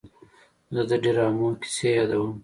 زه د ډرامو کیسې یادوم.